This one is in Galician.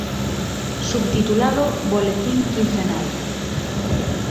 Subtitulado "Boletín quincenal.